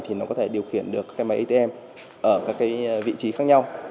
thì nó có thể điều khiển được các máy atm ở các vị trí khác nhau